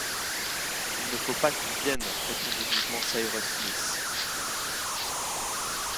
Il ne faut pas qu’il vienne répondit vivement Cyrus Smith